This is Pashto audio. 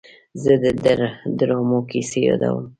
زه د ډرامو کیسې یادوم.